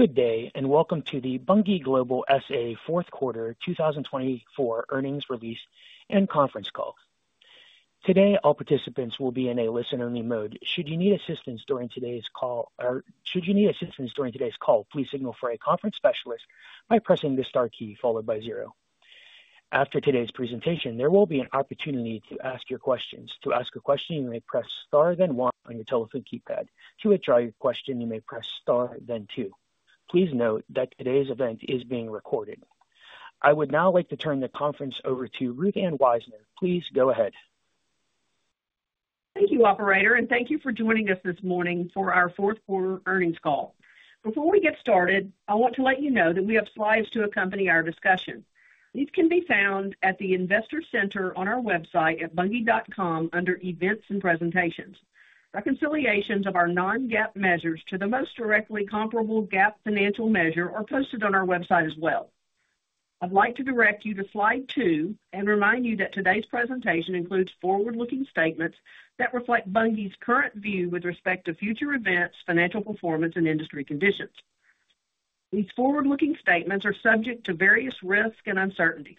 Good day, and welcome to the Bunge Global SA Fourth Quarter 2024 earnings release and conference call. Today, all participants will be in a listen-only mode. Should you need assistance during today's call, please signal for a conference specialist by pressing the star key followed by zero. After today's presentation, there will be an opportunity to ask your questions. To ask a question, you may press star then one on your telephone keypad. To withdraw your question, you may press star then two. Please note that today's event is being recorded. I would now like to turn the conference over to Ruth Ann Wisener. Please go ahead. Thank you, Operator, and thank you for joining us this morning for our Fourth Quarter earnings call. Before we get started, I want to let you know that we have slides to accompany our discussion. These can be found at the Investor Center on our website at bunge.com under Events and Presentations. Reconciliations of our non-GAAP measures to the most directly comparable GAAP financial measure are posted on our website as well. I'd like to direct you to slide two and remind you that today's presentation includes forward-looking statements that reflect Bunge's current view with respect to future events, financial performance, and industry conditions. These forward-looking statements are subject to various risks and uncertainties.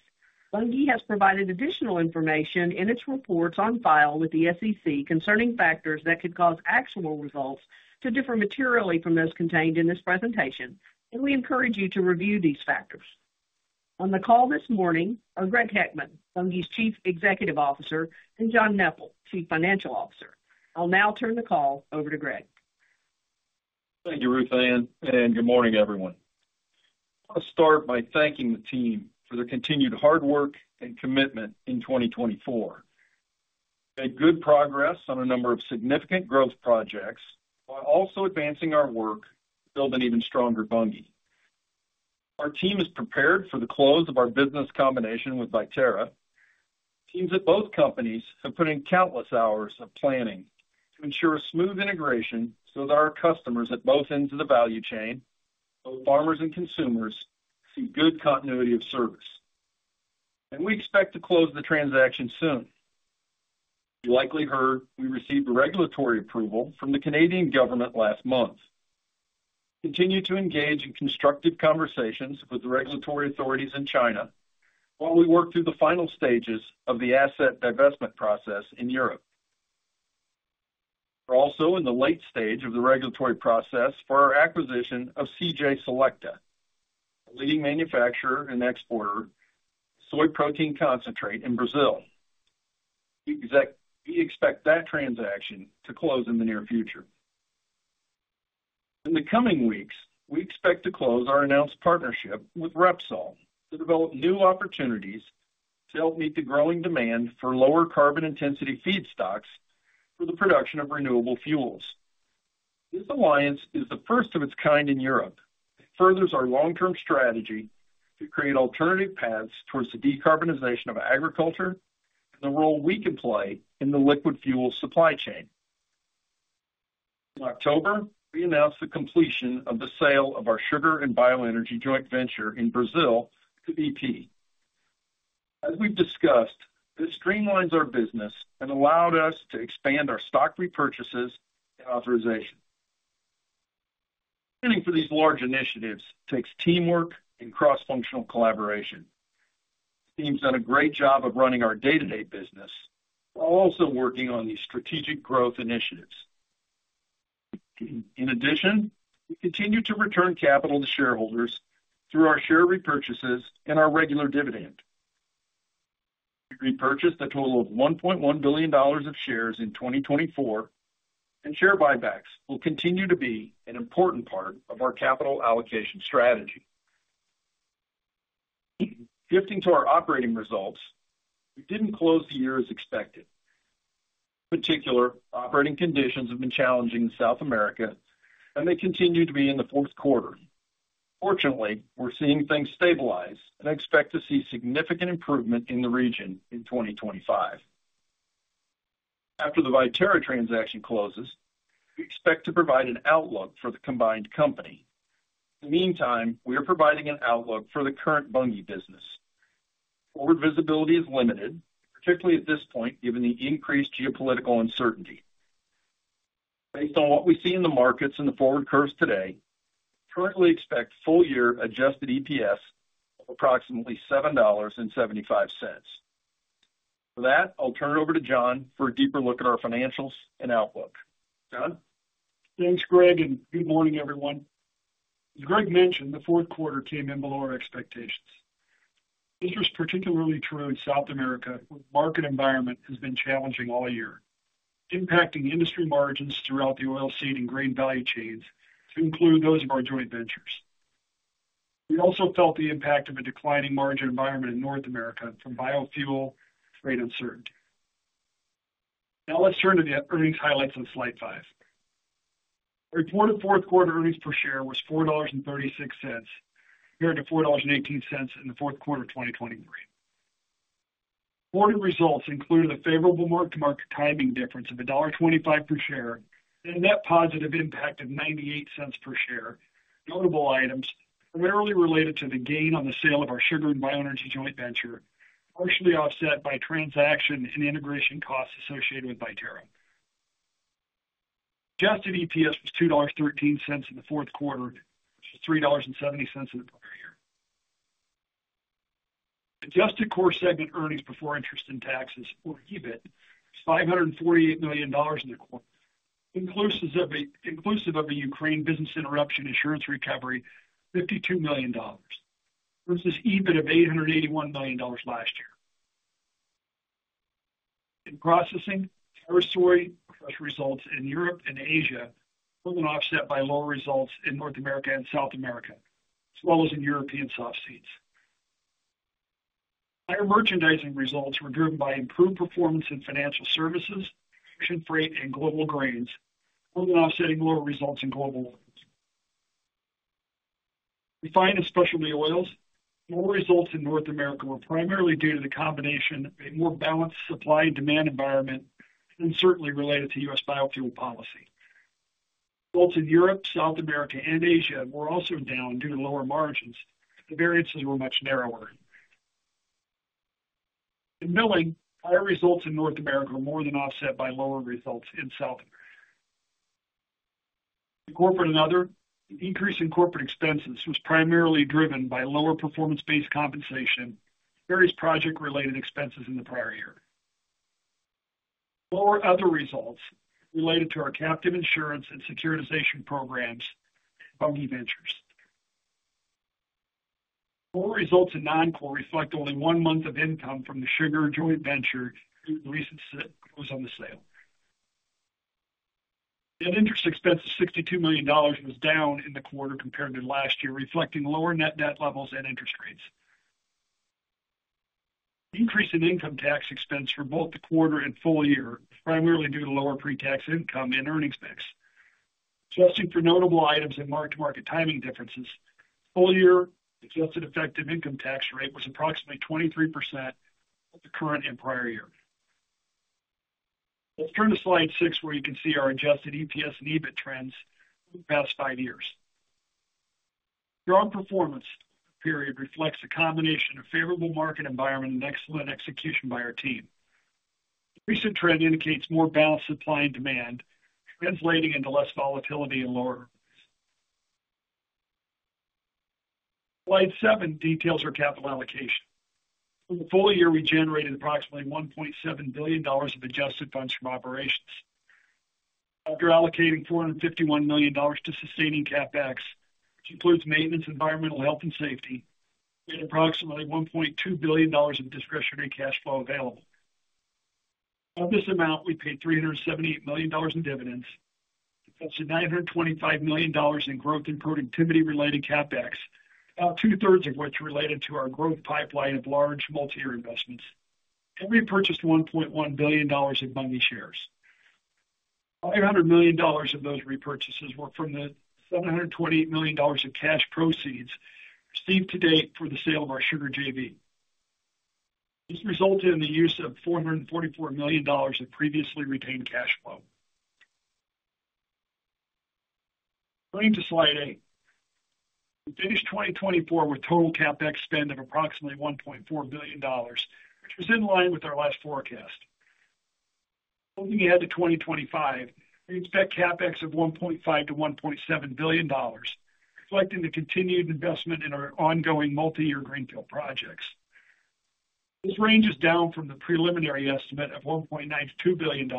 Bunge has provided additional information in its reports on file with the SEC concerning factors that could cause actual results to differ materially from those contained in this presentation, and we encourage you to review these factors. On the call this morning are Greg Heckman, Bunge's Chief Executive Officer, and John Neppl, Chief Financial Officer. I'll now turn the call over to Greg. Thank you, Ruth Ann, and good morning, everyone. I'll start by thanking the team for their continued hard work and commitment in 2024. We've made good progress on a number of significant growth projects while also advancing our work to build an even stronger Bunge. Our team is prepared for the close of our business combination with Viterra. Teams at both companies have put in countless hours of planning to ensure a smooth integration so that our customers at both ends of the value chain, both farmers and consumers, see good continuity of service, and we expect to close the transaction soon. You likely heard we received regulatory approval from the Canadian government last month. We continue to engage in constructive conversations with the regulatory authorities in China while we work through the final stages of the asset divestment process in Europe. We're also in the late stage of the regulatory process for our acquisition of CJ Selecta, a leading manufacturer and exporter of soy protein concentrate in Brazil. We expect that transaction to close in the near future. In the coming weeks, we expect to close our announced partnership with Repsol to develop new opportunities to help meet the growing demand for lower carbon-intensity feedstocks for the production of renewable fuels. This alliance is the first of its kind in Europe and furthers our long-term strategy to create alternative paths towards the decarbonization of agriculture and the role we can play in the liquid fuel supply chain. In October, we announced the completion of the sale of our sugar and bioenergy joint venture in Brazil to BP. As we've discussed, this streamlines our business and allowed us to expand our stock repurchases and authorizations. Planning for these large initiatives takes teamwork and cross-functional collaboration. The team's done a great job of running our day-to-day business while also working on these strategic growth initiatives. In addition, we continue to return capital to shareholders through our share repurchases and our regular dividend. We repurchased a total of $1.1 billion of shares in 2024, and share buybacks will continue to be an important part of our capital allocation strategy. Shifting to our operating results, we didn't close the year as expected. In particular, operating conditions have been challenging in South America, and they continue to be in the fourth quarter. Fortunately, we're seeing things stabilize and expect to see significant improvement in the region in 2025. After the Viterra transaction closes, we expect to provide an outlook for the combined company. In the meantime, we are providing an outlook for the current Bunge business. Forward visibility is limited, particularly at this point given the increased geopolitical uncertainty. Based on what we see in the markets and the forward curves today, we currently expect full-year Adjusted EPS of approximately $7.75. For that, I'll turn it over to John for a deeper look at our financials and outlook. John? Thanks, Greg, and good morning, everyone. As Greg mentioned, the fourth quarter came in below our expectations. This was particularly true in South America, where the market environment has been challenging all year, impacting industry margins throughout the oilseed and grain value chains, to include those of our joint ventures. We also felt the impact of a declining margin environment in North America from biofuel trade uncertainty. Now let's turn to the earnings highlights on slide five. Our reported fourth quarter earnings per share was $4.36, compared to $4.18 in the fourth quarter of 2023. Reported results included a favorable mark-to-market timing difference of $1.25 per share and a net positive impact of $0.98 per share. Notable items primarily related to the gain on the sale of our sugar and bioenergy joint venture, partially offset by transaction and integration costs associated with Viterra. Adjusted EPS was $2.13 in the fourth quarter, which was $3.70 in the prior year. Adjusted core segment earnings before interest and taxes, or EBIT, was $548 million in the quarter, inclusive of a Ukraine business interruption insurance recovery, $52 million, versus EBIT of $881 million last year. In processing, results were strong in Europe and Asia, further offset by lower results in North America and South America, as well as in European soft seeds. Higher merchandising results were driven by improved performance in financial services, ocean freight, and global grains, further offsetting lower results in global oils. Refined and specialty oils, lower results in North America were primarily due to the combination of a more balanced supply and demand environment and certainly related to U.S. biofuel policy. Results in Europe, South America, and Asia were also down due to lower margins, but the variances were much narrower. In milling, higher results in North America were more than offset by lower results in South America. In corporate, the increase in corporate expenses was primarily driven by lower performance-based compensation and various project-related expenses in the prior year. Lower other results related to our captive insurance and securitization programs at Bunge Ventures. Lower results in non-core reflect only one month of income from the sugar joint venture in the recent close on the sale. Net interest expense of $62 million was down in the quarter compared to last year, reflecting lower net debt levels and interest rates. The increase in income tax expense for both the quarter and full year was primarily due to lower pre-tax income and earnings mix. Adjusting for notable items and mark-to-market timing differences, full-year adjusted effective income tax rate was approximately 23% for the current and prior year. Let's turn to slide six, where you can see our adjusted EPS and EBIT trends over the past five years. Strong performance period reflects a combination of favorable market environment and excellent execution by our team. The recent trend indicates more balanced supply and demand, translating into less volatility and lower earnings. Slide seven details our capital allocation. For the full year, we generated approximately $1.7 billion of adjusted funds from operations. After allocating $451 million to sustaining CapEx, which includes maintenance, environmental health, and safety, we had approximately $1.2 billion of discretionary cash flow available. Of this amount, we paid $378 million in dividends. We invested $925 million in growth and productivity-related CapEx, about two-thirds of which related to our growth pipeline of large multi-year investments, and we purchased $1.1 billion of Bunge shares. $500 million of those repurchases were from the $728 million of cash proceeds received to date for the sale of our sugar JV. This resulted in the use of $444 million of previously retained cash flow. Going to slide eight, we finished 2024 with total CapEx spend of approximately $1.4 billion, which was in line with our last forecast. Looking ahead to 2025, we expect CapEx of $1.5-$1.7 billion, reflecting the continued investment in our ongoing multi-year greenfield projects. This range is down from the preliminary estimate of $1.92 billion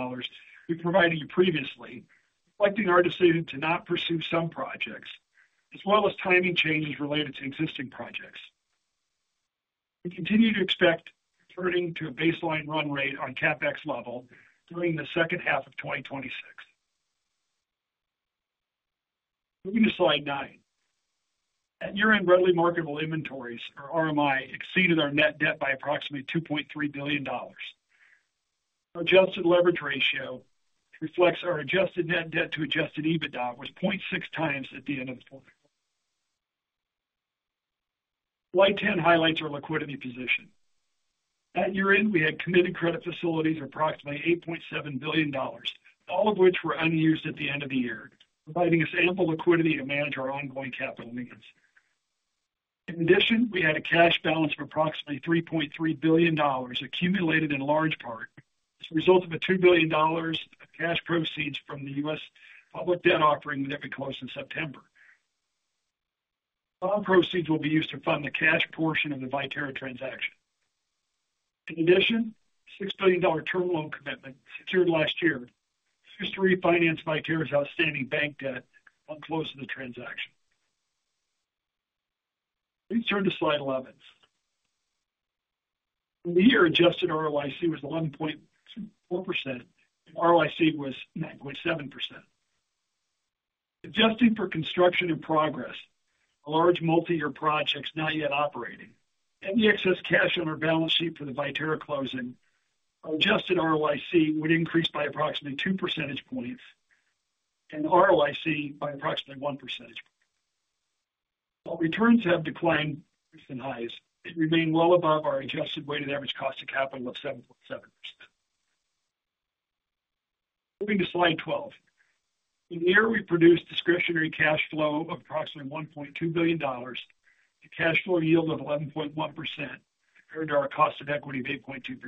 we provided you previously, reflecting our decision to not pursue some projects, as well as timing changes related to existing projects. We continue to expect returning to a baseline run rate on CapEx level during the second half of 2026. Moving to slide nine. At year-end, readily marketable inventories, or RMI, exceeded our net debt by approximately $2.3 billion. Our adjusted leverage ratio reflects our adjusted net debt to adjusted EBITDA was 0.6 times at the end of the quarter. Slide 10 highlights our liquidity position. At year-end, we had committed credit facilities of approximately $8.7 billion, all of which were unused at the end of the year, providing us ample liquidity to manage our ongoing capital needs. In addition, we had a cash balance of approximately $3.3 billion accumulated in large part as a result of a $2 billion of cash proceeds from the U.S. public debt offering that we closed in September. All proceeds will be used to fund the cash portion of the Viterra transaction. In addition, a $6 billion term loan commitment secured last year was used to refinance Viterra's outstanding bank debt at close of the transaction. Let's turn to slide eleven. In the year, adjusted ROIC was 1.4%, and ROIC was 9.7%. Adjusting for construction in progress, large multi-year projects not yet operating, and the excess cash on our balance sheet for the Viterra closing, our adjusted ROIC would increase by approximately two percentage points and ROIC by approximately one percentage point. While returns have declined from previous highs, they remain well above our adjusted weighted average cost of capital of 7.7%. Moving to slide 12. In the year, we produced discretionary cash flow of approximately $1.2 billion, a cash flow yield of 11.1%, compared to our cost of equity of 8.2%.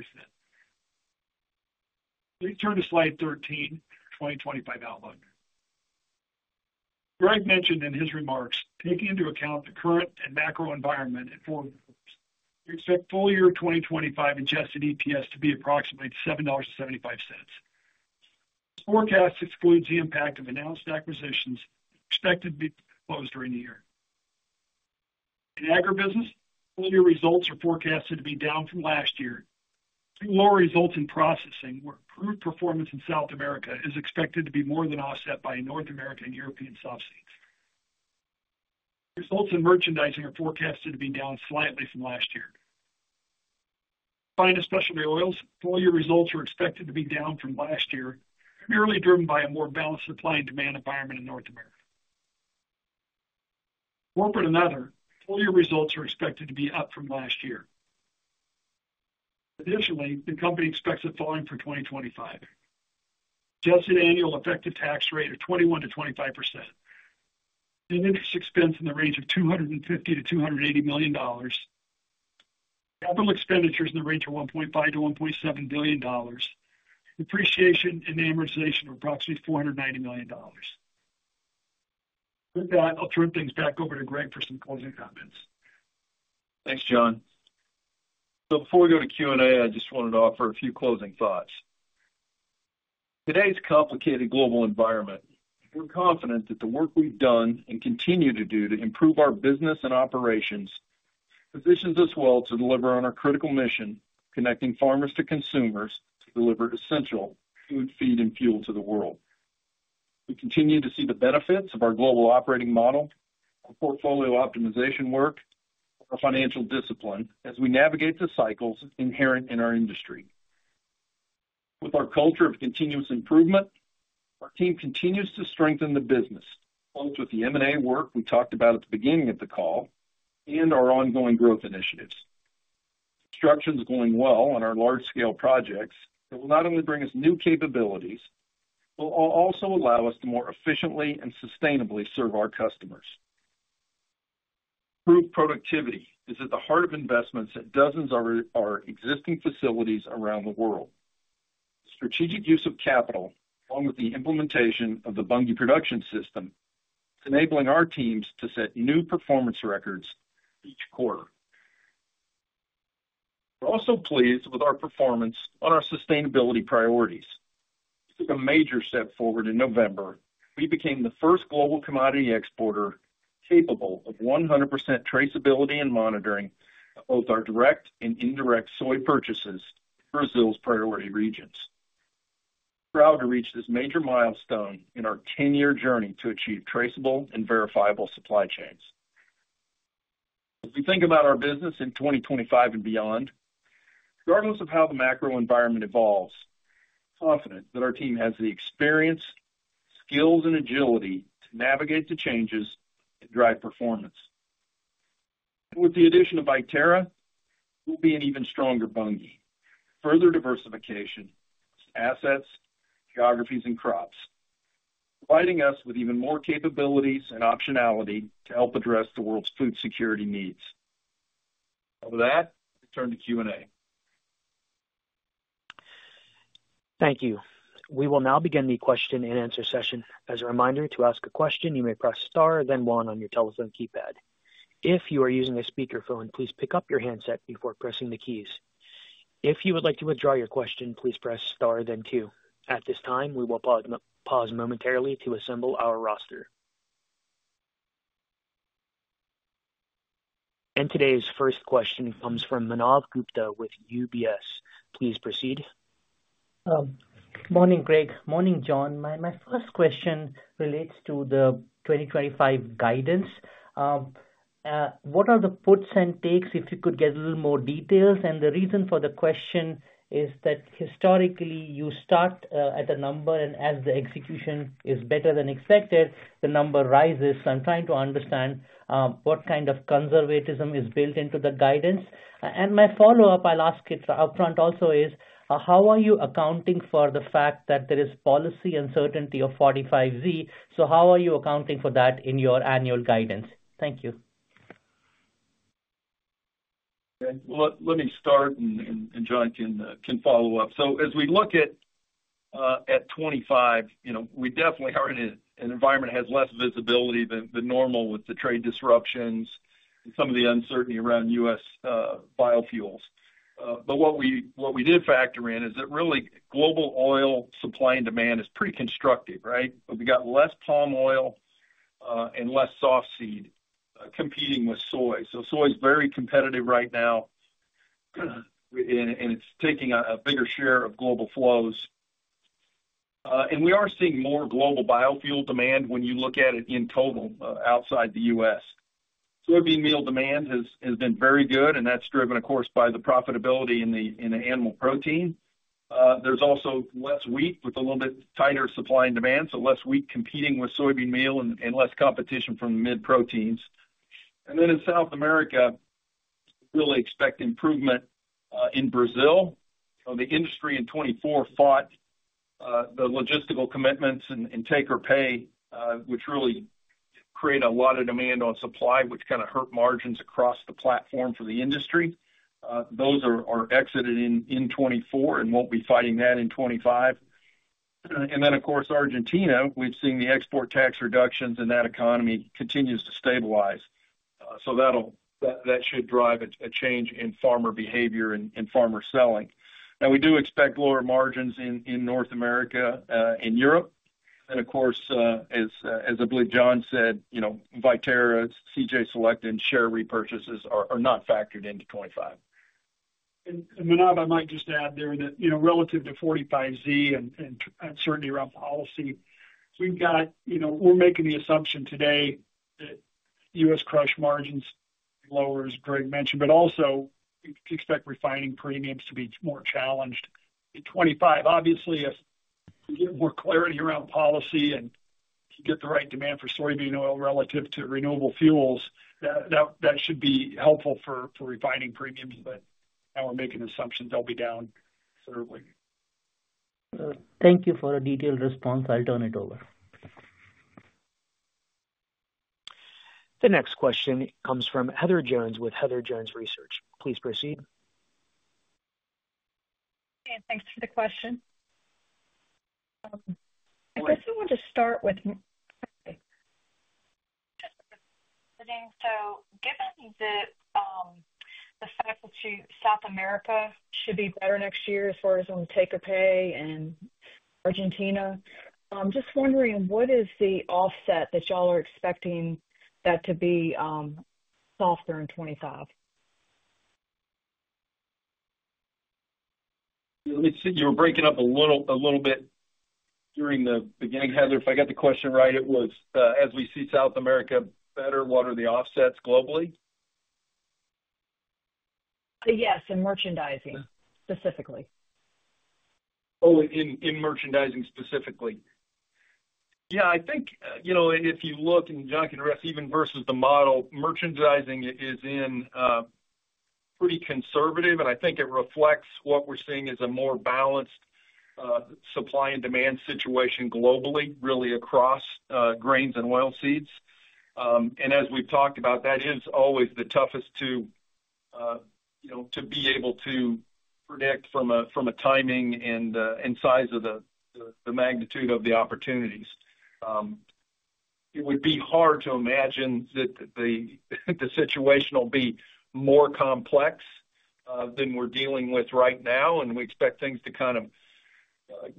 Let's turn to slide 13, our 2025 outlook. Greg mentioned in his remarks, taking into account the current and macro environment at four quarters, we expect full-year 2025 adjusted EPS to be approximately $7.75. This forecast excludes the impact of announced acquisitions expected to be closed during the year. In agribusiness, full-year results are forecasted to be down from last year. Overall lower results in processing, where improved performance in South America is expected to be more than offset by North American and European soft seeds. Results in merchandising are forecasted to be down slightly from last year. In specialty oils, full-year results are expected to be down from last year, primarily driven by a more balanced supply and demand environment in North America. In bioenergy, full-year results are expected to be up from last year. Additionally, the company expects the following for 2025. Adjusted annual effective tax rate of 21%-25%. Net interest expense in the range of $250-$280 million. Capital expenditures in the range of $1.5-$1.7 billion. Depreciation and amortization of approximately $490 million. With that, I'll turn things back over to Greg for some closing comments. Thanks, John. So before we go to Q&A, I just wanted to offer a few closing thoughts. In today's complicated global environment, we're confident that the work we've done and continue to do to improve our business and operations positions us well to deliver on our critical mission of connecting farmers to consumers to deliver essential food, feed, and fuel to the world. We continue to see the benefits of our global operating model, our portfolio optimization work, and our financial discipline as we navigate the cycles inherent in our industry. With our culture of continuous improvement, our team continues to strengthen the business, both with the M&A work we talked about at the beginning of the call and our ongoing growth initiatives. Construction's going well on our large-scale projects that will not only bring us new capabilities, but will also allow us to more efficiently and sustainably serve our customers. Improved productivity is at the heart of investments at dozens of our existing facilities around the world. The strategic use of capital, along with the implementation of the Bunge Production System, is enabling our teams to set new performance records each quarter. We're also pleased with our performance on our sustainability priorities. We took a major step forward in November. We became the first global commodity exporter capable of 100% traceability and monitoring of both our direct and indirect soy purchases in Brazil's priority regions. We're proud to reach this major milestone in our 10-year journey to achieve traceable and verifiable supply chains. As we think about our business in 2025 and beyond, regardless of how the macro environment evolves, we're confident that our team has the experience, skills, and agility to navigate the changes and drive performance. With the addition of Viterra, we'll be an even stronger Bunge, with further diversification across assets, geographies, and crops, providing us with even more capabilities and optionality to help address the world's food security needs. With that, let's turn to Q&A. Thank you. We will now begin the question and answer session. As a reminder, to ask a question, you may press star, then 1 on your telephone keypad. If you are using a speakerphone, please pick up your handset before pressing the keys. If you would like to withdraw your question, please press star, then 2. At this time, we will pause momentarily to assemble our roster. Today's first question comes from Manav Gupta with UBS. Please proceed. Good morning, Greg. Morning, John. My first question relates to the 2025 guidance. What are the puts and takes, if you could get a little more details? And the reason for the question is that historically, you start at a number, and as the execution is better than expected, the number rises. So I'm trying to understand what kind of conservatism is built into the guidance. And my follow-up I'll ask it upfront also is, how are you accounting for the fact that there is policy uncertainty of 45Z? So how are you accounting for that in your annual guidance? Thank you. Let me start, and John can follow up. As we look at 25, we definitely are in an environment that has less visibility than normal with the trade disruptions and some of the uncertainty around U.S. biofuels. But what we did factor in is that really global oil supply and demand is pretty constructive, right? We've got less palm oil and less soft seed competing with soy. Soy is very competitive right now, and it's taking a bigger share of global flows. We are seeing more global biofuel demand when you look at it in total outside the U.S. Soybean meal demand has been very good, and that's driven, of course, by the profitability in the animal protein. There's also less wheat with a little bit tighter supply and demand, so less wheat competing with soybean meal and less competition from the mid-proteins. And then in South America, we really expect improvement in Brazil. The industry in 2024 faced the logistical commitments and take-or-pay, which really created a lot of demand on supply, which kind of hurt margins across the platform for the industry. Those are exited in 2024, and we'll be benefiting that in 2025. And then, of course, Argentina, we've seen the export tax reductions, and that economy continues to stabilize. So that should drive a change in farmer behavior and farmer selling. Now, we do expect lower margins in North America and Europe. And of course, as I believe John said, Viterra, CJ Selecta, and share repurchases are not factored into 2025. Manav, I might just add there that relative to 45Z and uncertainty around policy, we're making the assumption today that U.S. crush margins lower, as Greg mentioned, but also we expect refining premiums to be more challenged in 2025. Obviously, as we get more clarity around policy and you get the right demand for soybean oil relative to renewable fuels, that should be helpful for refining premiums. But now we're making assumptions they'll be down considerably. Thank you for a detailed response. I'll turn it over. The next question comes from Heather Jones with Heather Jones Research. Please proceed. Hey, thanks for the question. I guess I want to start with so given the fact that South America should be better next year as far as on take-or-pay and Argentina, I'm just wondering, what is the offset that y'all are expecting that to be softer in 2025? You were breaking up a little bit during the beginning, Heather. If I got the question right, it was, as we see South America better, what are the offsets globally? Yes, in merchandising specifically. Oh, in merchandising specifically. Yeah, I think if you look and John can address even versus the model, merchandising is in pretty conservative. And I think it reflects what we're seeing as a more balanced supply and demand situation globally, really across grains and oilseeds. And as we've talked about, that is always the toughest to be able to predict from a timing and size of the magnitude of the opportunities. It would be hard to imagine that the situation will be more complex than we're dealing with right now, and we expect things to kind of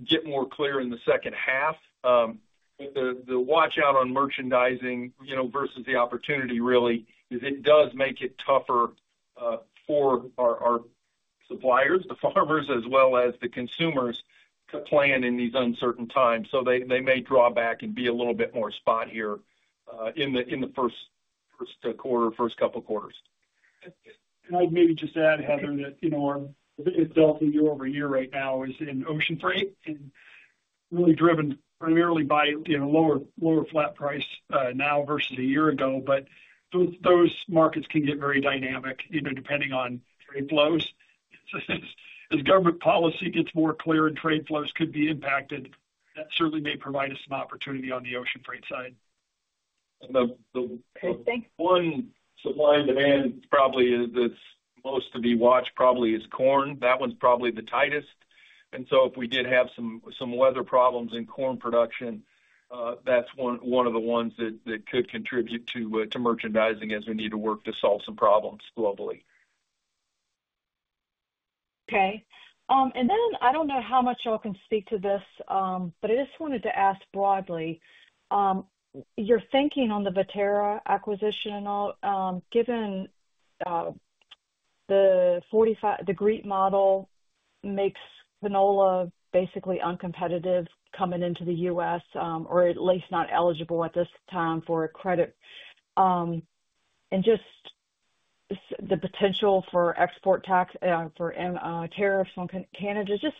get more clear in the second half. But the watch-out on merchandising versus the opportunity really is it does make it tougher for our suppliers, the farmers, as well as the consumers to plan in these uncertain times. So they may draw back and be a little bit more spot here in the first quarter, first couple of quarters. I'd maybe just add, Heather, that our biggest delta year over year right now is in ocean freight and really driven primarily by lower flat price now versus a year ago. Those markets can get very dynamic depending on trade flows. As government policy gets more clear and trade flows could be impacted, that certainly may provide us some opportunity on the ocean freight side. The one supply and demand probably that's most to be watched probably is corn. That one's probably the tightest. And so if we did have some weather problems in corn production, that's one of the ones that could contribute to merchandising as we need to work to solve some problems globally. Okay. And then I don't know how much y'all can speak to this, but I just wanted to ask broadly, your thinking on the Viterra acquisition and all, given the GREET model makes canola basically uncompetitive coming into the U.S., or at least not eligible at this time for a credit, and just the potential for tariffs on Canadian. Just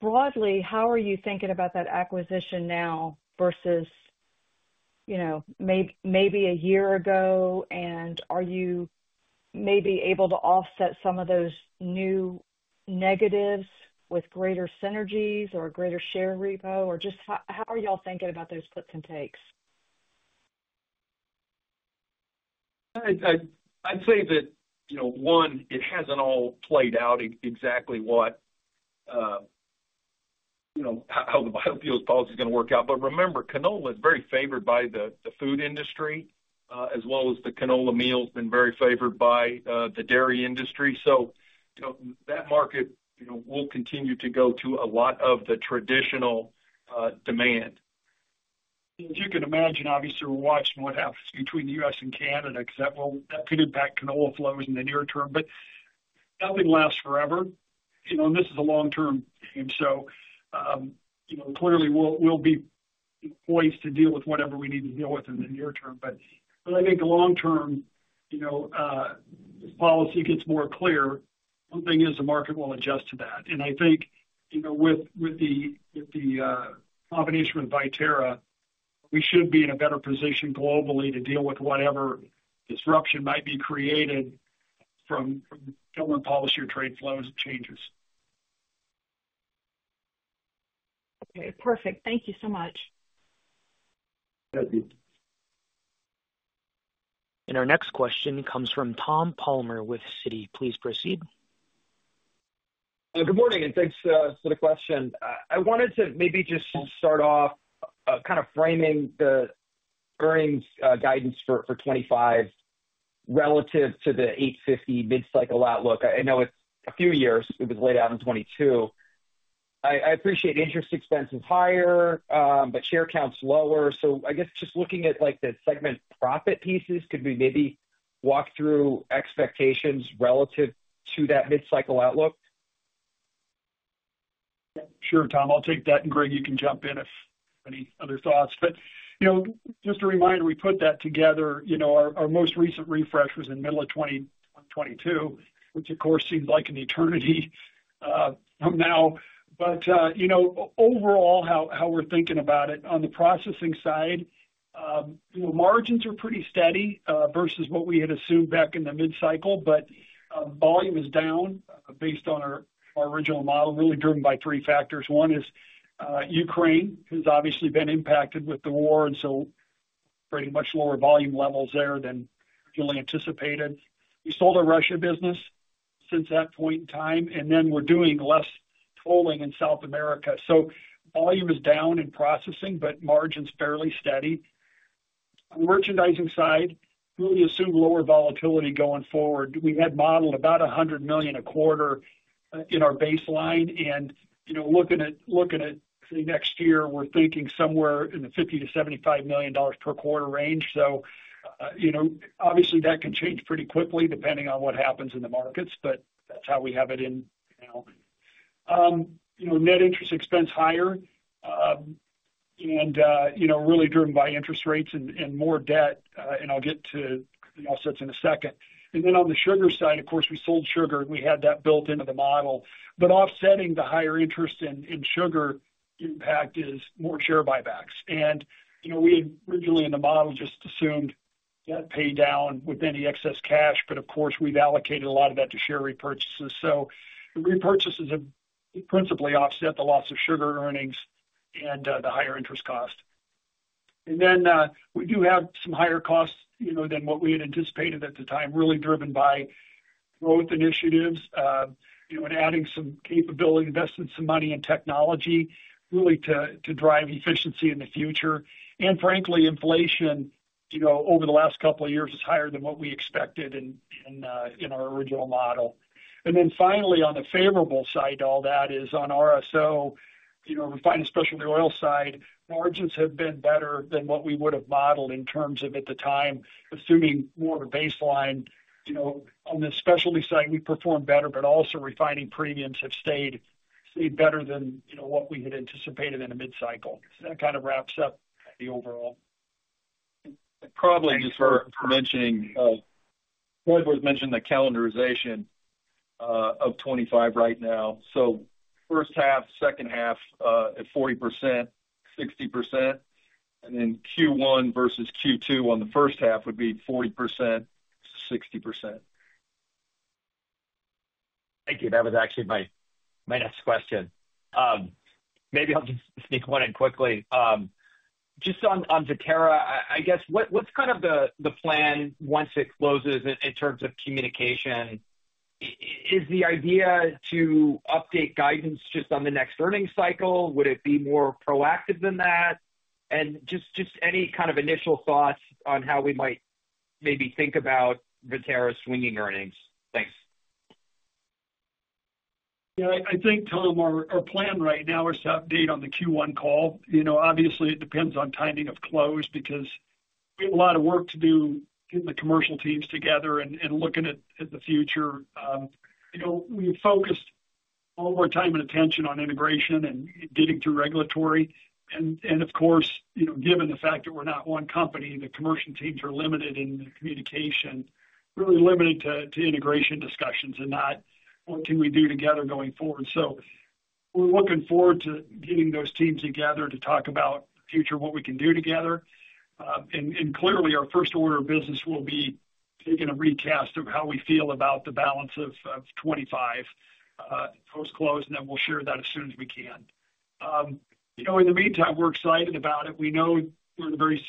broadly, how are you thinking about that acquisition now versus maybe a year ago? And are you maybe able to offset some of those new negatives with greater synergies or a greater share repo? Or just how are y'all thinking about those puts and takes? I'd say that, one, it hasn't all played out exactly how the biofuel policy is going to work out. But remember, canola is very favored by the food industry, as well as the canola meal has been very favored by the dairy industry. So that market will continue to go to a lot of the traditional demand. As you can imagine, obviously, we're watching what happens between the U.S. and Canada because that could impact canola flows in the near term. But nothing lasts forever. And this is a long-term game. So clearly, we'll be poised to deal with whatever we need to deal with in the near term. But I think long-term, as policy gets more clear, one thing is the market will adjust to that. I think with the combination with Viterra, we should be in a better position globally to deal with whatever disruption might be created from government policy or trade flows and changes. Okay. Perfect. Thank you so much. Our next question comes from Tom Palmer with Citi. Please proceed. Good morning, and thanks for the question. I wanted to maybe just start off kind of framing the earnings guidance for 2025 relative to the 850 mid-cycle outlook. I know it's a few years. It was laid out in 2022. I appreciate interest expenses higher, but share counts lower. So I guess just looking at the segment profit pieces, could we maybe walk through expectations relative to that mid-cycle outlook? Sure, Tom. I'll take that. And Greg, you can jump in if you have any other thoughts. But just a reminder, we put that together. Our most recent refresh was in the middle of 2022, which, of course, seems like an eternity from now. But overall, how we're thinking about it on the processing side, margins are pretty steady versus what we had assumed back in the mid-cycle. But volume is down based on our original model, really driven by three factors. One is Ukraine has obviously been impacted with the war, and so pretty much lower volume levels there than really anticipated. We sold our Russia business since that point in time, and then we're doing less tolling in South America. So volume is down in processing, but margins fairly steady. On the merchandising side, really assumed lower volatility going forward. We had modeled about $100 million a quarter in our baseline, and looking at, say, next year, we're thinking somewhere in the $50-$75 million per quarter range, so obviously, that can change pretty quickly depending on what happens in the markets, but that's how we have it in now. Net interest expense higher and really driven by interest rates and more debt, and I'll get to the offsets in a second, and then on the sugar side, of course, we sold sugar, and we had that built into the model. But offsetting the higher interest and sugar impact is more share buybacks, and we originally in the model just assumed that pay down with any excess cash. But of course, we've allocated a lot of that to share repurchases, so the repurchases have principally offset the loss of sugar earnings and the higher interest cost. And then we do have some higher costs than what we had anticipated at the time, really driven by growth initiatives and adding some capability, investing some money in technology really to drive efficiency in the future. And frankly, inflation over the last couple of years is higher than what we expected in our original model. And then finally, on the favorable side, all that is on RSO, refined and specialty oils side, margins have been better than what we would have modeled in terms of at the time, assuming more of a baseline. On the specialty side, we performed better, but also refining premiums have stayed better than what we had anticipated in the mid-cycle. So that kind of wraps up the overall. Probably just for mentioning, Greg was mentioning the calendarization of 2025 right now, so first half, second half at 40%, 60%, and then Q1 versus Q2 on the first half would be 40%-60%. Thank you. That was actually my next question. Maybe I'll just sneak one in quickly. Just on Viterra, I guess what's kind of the plan once it closes in terms of communication? Is the idea to update guidance just on the next earnings cycle? Would it be more proactive than that? And just any kind of initial thoughts on how we might maybe think about Viterra swinging earnings? Thanks. Yeah, I think, Tom, our plan right now is to update on the Q1 call. Obviously, it depends on timing of close because we have a lot of work to do getting the commercial teams together and looking at the future. We focused all of our time and attention on integration and getting through regulatory. And of course, given the fact that we're not one company, the commercial teams are limited in the communication, really limited to integration discussions and not what can we do together going forward. So we're looking forward to getting those teams together to talk about the future, what we can do together. And clearly, our first order of business will be taking a recast of how we feel about the balance of 2025 post-close, and then we'll share that as soon as we can. In the meantime, we're excited about it. We know we're in a very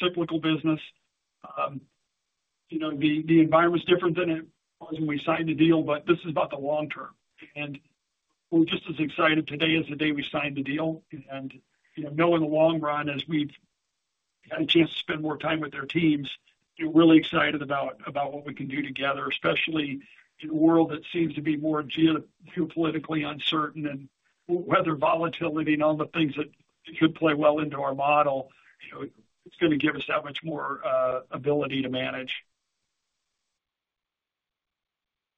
cyclical business. The environment's different than it was when we signed the deal, but this is about the long term. We're just as excited today as the day we signed the deal. Now in the long run, as we've had a chance to spend more time with their teams, really excited about what we can do together, especially in a world that seems to be more geopolitically uncertain. Weather volatility and all the things that could play well into our model. It's going to give us that much more ability to manage.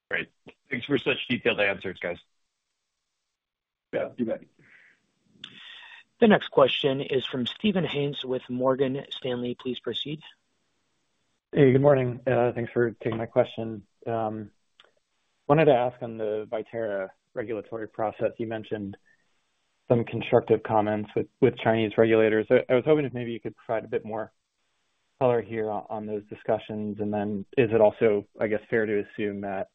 Great. Thanks for such detailed answers, guys. Yeah, you bet. The next question is from Steven Haynes with Morgan Stanley. Please proceed. Hey, good morning. Thanks for taking my question. Wanted to ask on the Viterra regulatory process. You mentioned some constructive comments with Chinese regulators. I was hoping if maybe you could provide a bit more color here on those discussions, and then is it also, I guess, fair to assume that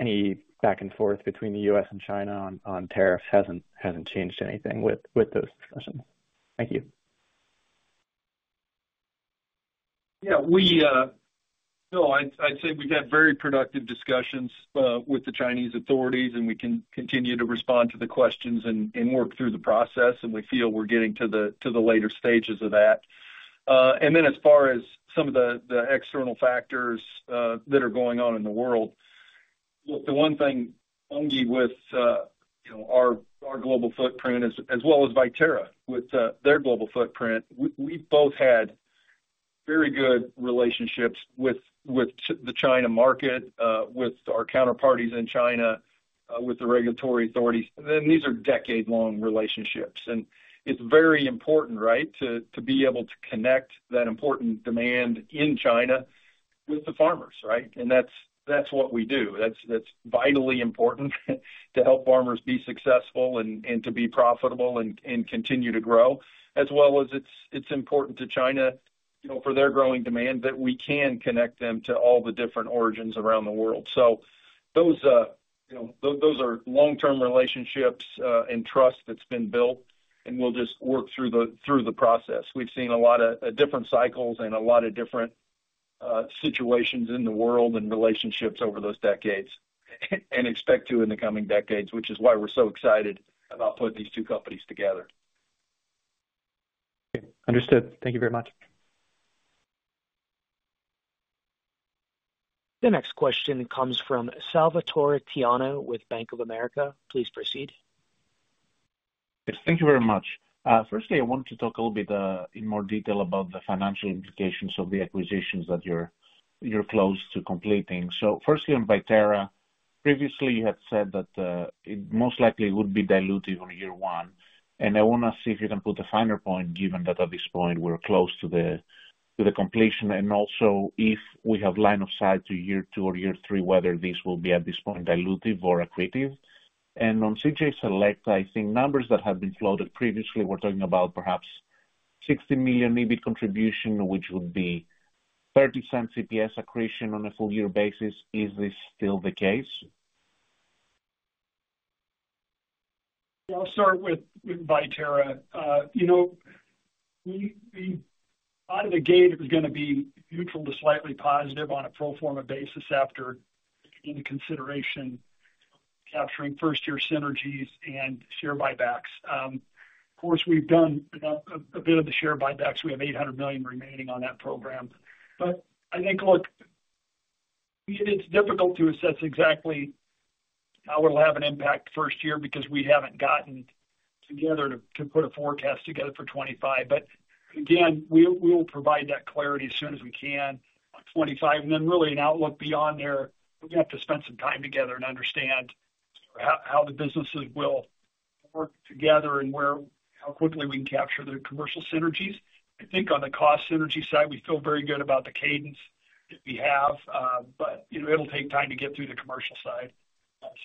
any back and forth between the U.S. and China on tariffs hasn't changed anything with those discussions? Thank you. Yeah. No, I'd say we've had very productive discussions with the Chinese authorities, and we can continue to respond to the questions and work through the process. And we feel we're getting to the later stages of that. And then as far as some of the external factors that are going on in the world, the one thing with our global footprint, as well as Viterra with their global footprint, we've both had very good relationships with the China market, with our counterparties in China, with the regulatory authorities. And these are decade-long relationships. And it's very important, right, to be able to connect that important demand in China with the farmers, right? And that's what we do. That's vitally important to help farmers be successful and to be profitable and continue to grow, as well as it's important to China for their growing demand that we can connect them to all the different origins around the world. So those are long-term relationships and trust that's been built, and we'll just work through the process. We've seen a lot of different cycles and a lot of different situations in the world and relationships over those decades and expect to in the coming decades, which is why we're so excited about putting these two companies together. Okay. Understood. Thank you very much. The next question comes from Salvatore Tiano with Bank of America. Please proceed. Thank you very much. Firstly, I wanted to talk a little bit in more detail about the financial implications of the acquisitions that you're close to completing. So firstly, on Viterra, previously you had said that it most likely would be dilutive on year one. And I want to see if you can put a finer point, given that at this point we're close to the completion and also if we have line of sight to year two or year three, whether this will be at this point dilutive or accretive. And on CJ Selecta, I think numbers that have been floated previously, we're talking about perhaps $16 million EBIT contribution, which would be $0.30 EPS accretion on a full year basis. Is this still the case? I'll start with Viterra. Out of the gate, it was going to be neutral to slightly positive on a pro forma basis after taking into consideration capturing first-year synergies and share buybacks. Of course, we've done a bit of the share buybacks. We have $800 million remaining on that program. But I think, look, it's difficult to assess exactly how it'll have an impact first year because we haven't gotten together to put a forecast together for 2025. But again, we will provide that clarity as soon as we can on 2025. And then really an outlook beyond there, we have to spend some time together and understand how the businesses will work together and how quickly we can capture the commercial synergies. I think on the cost synergy side, we feel very good about the cadence that we have, but it'll take time to get through the commercial side.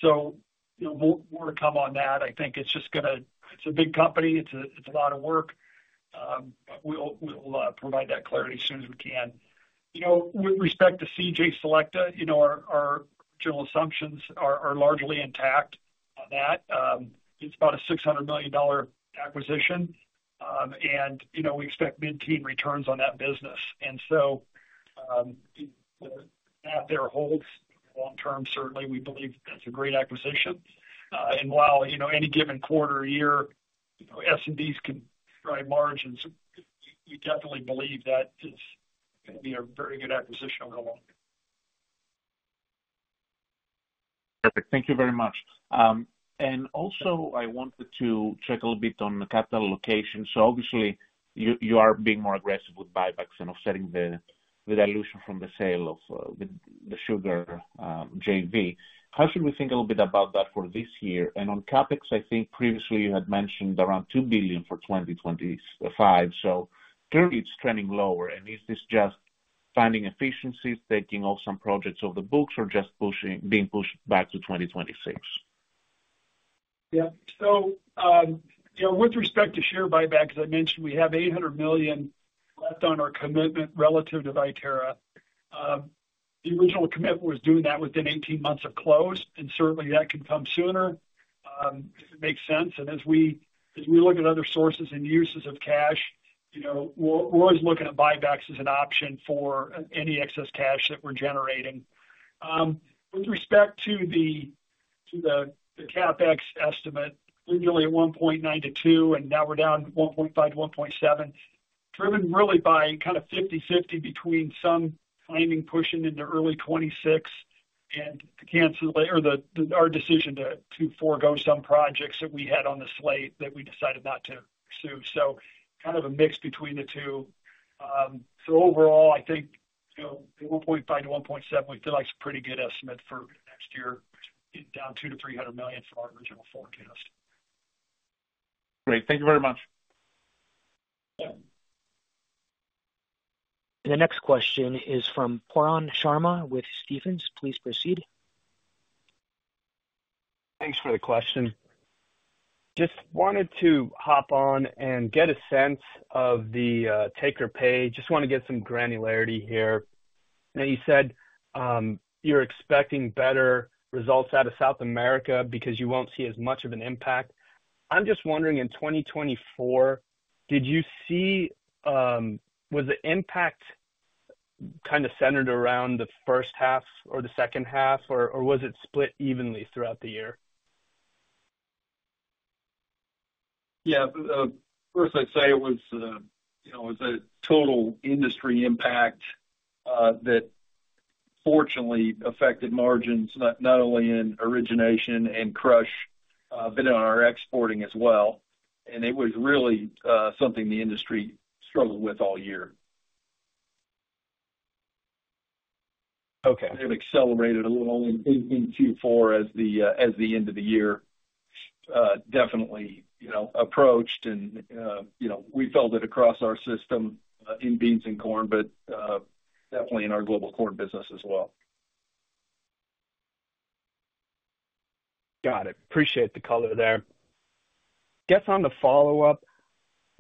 So more to come on that. I think it's just going to. It's a big company. It's a lot of work. We'll provide that clarity as soon as we can. With respect to CJ Selecta, our original assumptions are largely intact on that. It's about a $600 million acquisition, and we expect mid-teen returns on that business. And so that there holds long term, certainly. We believe that's a great acquisition. And while any given quarter or year S&Ds can drive margins, we definitely believe that is going to be a very good acquisition over the long term. Perfect. Thank you very much. And also, I wanted to check a little bit on the capital allocation. So obviously, you are being more aggressive with buybacks and offsetting the dilution from the sale of the sugar JV. How should we think a little bit about that for this year? And on CapEx, I think previously you had mentioned around $2 billion for 2025. So clearly, it's trending lower. And is this just finding efficiencies, taking off some projects off the books, or just being pushed back to 2026? Yeah. So with respect to share buybacks, I mentioned we have $800 million left on our commitment relative to Viterra. The original commitment was doing that within 18 months of close, and certainly that can come sooner if it makes sense. And as we look at other sources and uses of cash, we're always looking at buybacks as an option for any excess cash that we're generating. With respect to the CapEx estimate, originally at $1.9-$2 billion, and now we're down $1.5-$1.7 billion, driven really by kind of 50/50 between some timing pushing into early 2026 and our decision to forgo some projects that we had on the slate that we decided not to pursue. So kind of a mix between the two. So overall, I think the $1.5-$1.7 we feel like is a pretty good estimate for next year, down $2 million-$300 million from our original forecast. Great. Thank you very much. The next question is from Kurran Sharma with Stephens. Please proceed. Thanks for the question. Just wanted to hop on and get a sense of the take-or-pay. Just want to get some granularity here. Now, you said you're expecting better results out of South America because you won't see as much of an impact. I'm just wondering, in 2024, did you see, was the impact kind of centered around the first half or the second half, or was it split evenly throughout the year? Yeah. First, I'd say it was a total industry impact that fortunately affected margins not only in origination and crush, but in our exporting as well. And it was really something the industry struggled with all year. It accelerated a little in Q4 as the end of the year definitely approached, and we felt it across our system in beans and corn, but definitely in our global corn business as well. Got it. Appreciate the color there. Question on the follow-up,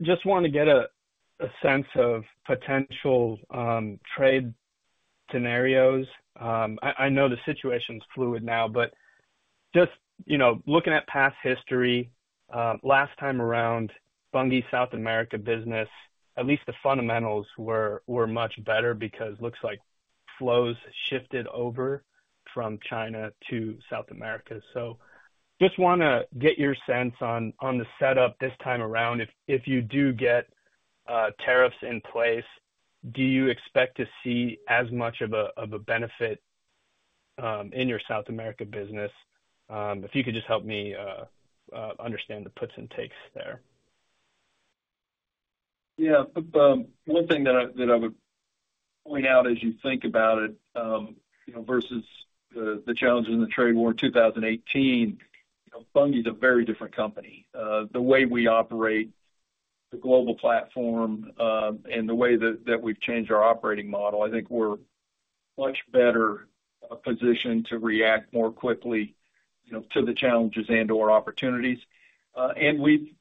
just want to get a sense of potential trade scenarios. I know the situation's fluid now, but just looking at past history, last time around, Bunge South America business, at least the fundamentals were much better because it looks like flows shifted over from China to South America. So just want to get your sense on the setup this time around. If you do get tariffs in place, do you expect to see as much of a benefit in your South America business? If you could just help me understand the puts and takes there. Yeah. One thing that I would point out as you think about it versus the challenges in the trade war in 2018, Bunge is a very different company. The way we operate, the global platform, and the way that we've changed our operating model, I think we're in a much better position to react more quickly to the challenges and/or opportunities. And we've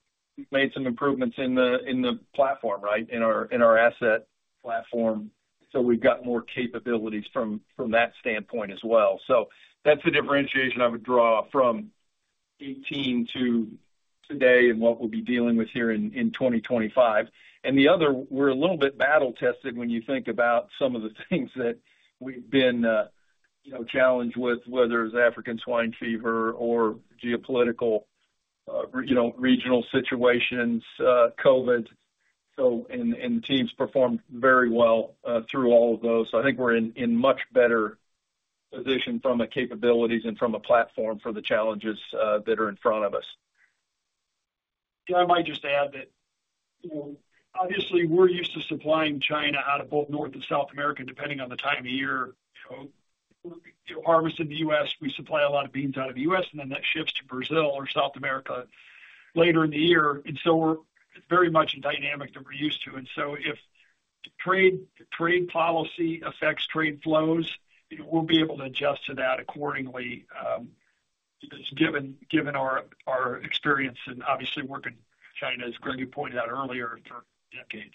made some improvements in the platform, right, in our asset platform. So we've got more capabilities from that standpoint as well. So that's the differentiation I would draw from 2018 to today and what we'll be dealing with here in 2025. And the other, we're a little bit battle-tested when you think about some of the things that we've been challenged with, whether it's African swine fever or geopolitical regional situations, COVID. And the teams performed very well through all of those. So I think we're in much better position from a capabilities and from a platform for the challenges that are in front of us. Yeah. I might just add that obviously, we're used to supplying China out of both North and South America, depending on the time of year. Harvest in the U.S., we supply a lot of beans out of the U.S., and then that shifts to Brazil or South America later in the year. And so we're very much in dynamic that we're used to. And so if trade policy affects trade flows, we'll be able to adjust to that accordingly just given our experience and obviously working with China, as Gregory pointed out earlier. For decades.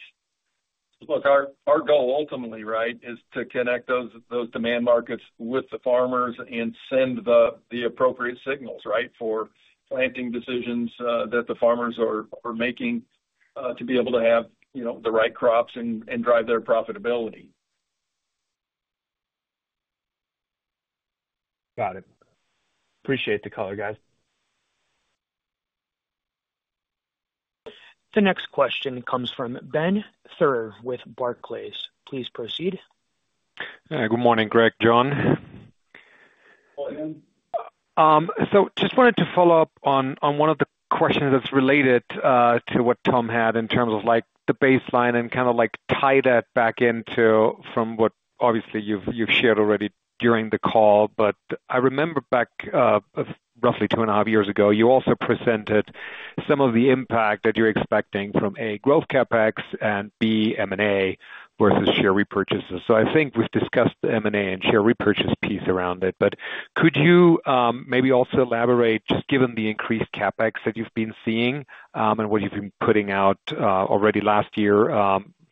Look, our goal ultimately, right, is to connect those demand markets with the farmers and send the appropriate signals, right, for planting decisions that the farmers are making to be able to have the right crops and drive their profitability. Got it. Appreciate the color, guys. The next question comes from Ben Theurer with Barclays. Please proceed. Hi. Good morning, Greg, John. Hi, Ben. So just wanted to follow up on one of the questions that's related to what Tom had in terms of the baseline and kind of tie that back into from what obviously you've shared already during the call. But I remember back roughly two and a half years ago, you also presented some of the impact that you're expecting from A, growth CapEx, and B, M&A versus share repurchases. So I think we've discussed the M&A and share repurchase piece around it. But could you maybe also elaborate, just given the increased CapEx that you've been seeing and what you've been putting out already last year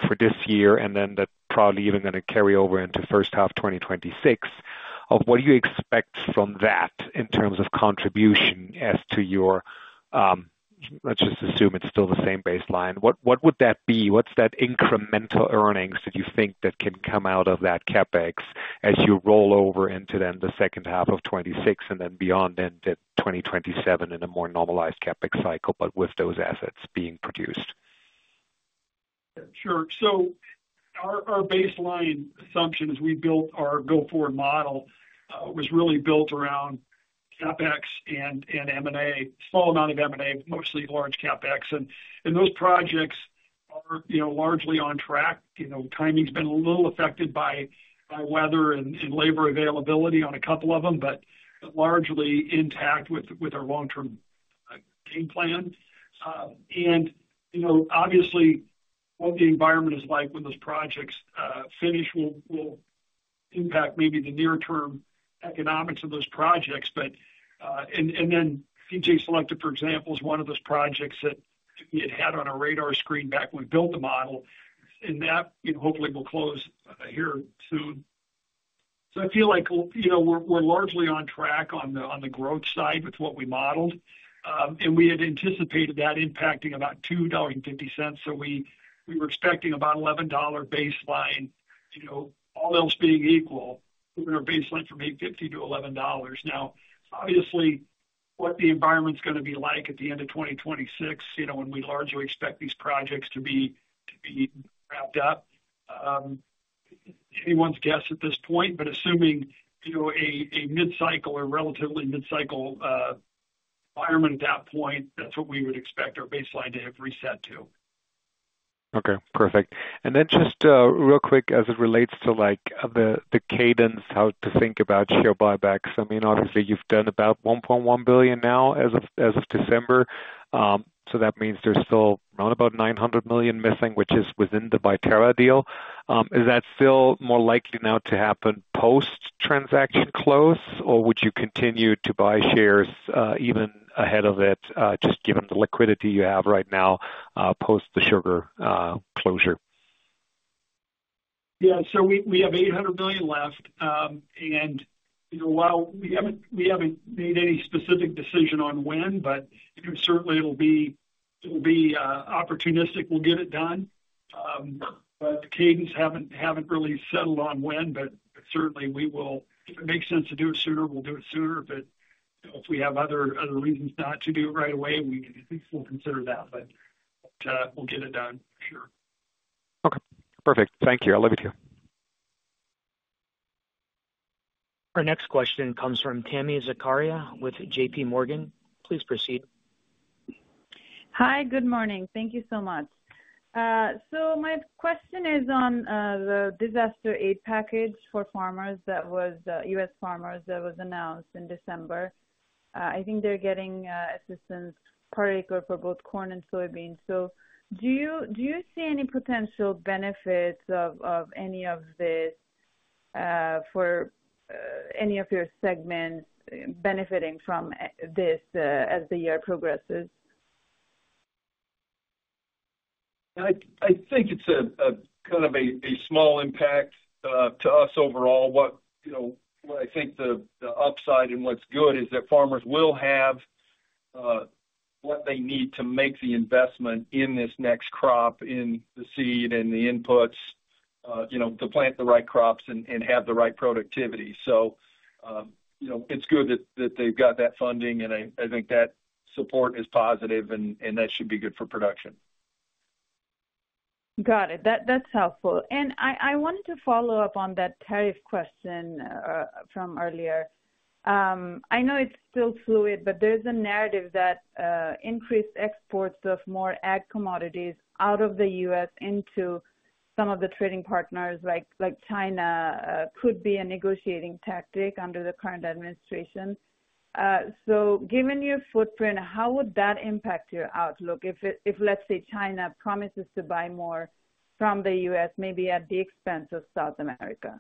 for this year, and then that's probably even going to carry over into first half 2026, of what do you expect from that in terms of contribution as to your, let's just assume it's still the same baseline, what would that be? What's that incremental earnings that you think that can come out of that CapEx as you roll over into then the second half of 2026 and then beyond into 2027 in a more normalized CapEx cycle, but with those assets being produced? Sure. So our baseline assumption as we built our go-forward model was really built around CapEx and M&A, small amount of M&A, mostly large CapEx. And those projects are largely on track. Timing's been a little affected by weather and labor availability on a couple of them, but largely intact with our long-term game plan. And obviously, what the environment is like when those projects finish will impact maybe the near-term economics of those projects. And then CJ Selecta, for example, is one of those projects that we had had on our radar screen back when we built the model. And that hopefully will close here soon. So I feel like we're largely on track on the growth side with what we modeled. And we had anticipated that impacting about $2.50. So we were expecting about $11 baseline, all else being equal, with our baseline from $8.50 to $11. Now, obviously, what the environment's going to be like at the end of 2026, when we largely expect these projects to be wrapped up, anyone's guess at this point, but assuming a mid-cycle or relatively mid-cycle environment at that point, that's what we would expect our baseline to have reset to. Okay. Perfect. And then just real quick, as it relates to the cadence, how to think about share buybacks. I mean, obviously, you've done about $1.1 billion now as of December. So that means there's still around about $900 million missing, which is within the Viterra deal. Is that still more likely now to happen post-transaction close, or would you continue to buy shares even ahead of it, just given the liquidity you have right now post the sugar closure? Yeah. So we have $800 million left. And while we haven't made any specific decision on when, but certainly it'll be opportunistic. We'll get it done. But the cadence haven't really settled on when, but certainly we will. If it makes sense to do it sooner, we'll do it sooner. But if we have other reasons not to do it right away, we'll consider that. But we'll get it done, for sure. Okay. Perfect. Thank you. I'll leave it here. Our next question comes from Tami Zakaria with J.P. Morgan. Please proceed. Hi. Good morning. Thank you so much. So my question is on the disaster aid package for farmers that was U.S. farmers that was announced in December. I think they're getting assistance, particularly for both corn and soybeans. So do you see any potential benefits of any of this for any of your segments benefiting from this as the year progresses? I think it's kind of a small impact to us overall. What I think the upside and what's good is that farmers will have what they need to make the investment in this next crop, in the seed and the inputs to plant the right crops and have the right productivity. So it's good that they've got that funding, and I think that support is positive, and that should be good for production. Got it. That's helpful. And I wanted to follow up on that tariff question from earlier. I know it's still fluid, but there's a narrative that increased exports of more ag commodities out of the U.S. into some of the trading partners like China could be a negotiating tactic under the current administration. So given your footprint, how would that impact your outlook if, let's say, China promises to buy more from the U.S., maybe at the expense of South America?